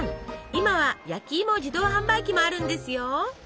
今は焼きいも自動販売機もあるんですよ。